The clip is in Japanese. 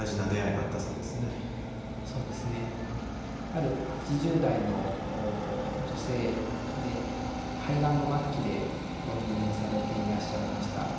ある８０代の女性で肺がんの末期でご入院されていらっしゃいました。